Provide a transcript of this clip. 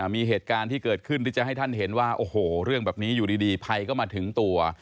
มีเหตุการณ์ที่เกิดขึ้นที่จะให้ท่านเห็นว่าโอ้โหเรื่องแบบนี้อยู่ดีภัยก็มาถึงตัว